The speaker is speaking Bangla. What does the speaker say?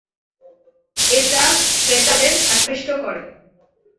এটা ক্রেতাদের আকৃষ্ট করে।